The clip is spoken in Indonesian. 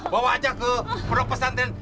bawa aja ke pondok pesantren